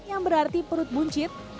yang berarti perut buncinya